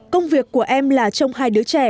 công việc của em là trông hai đứa trẻ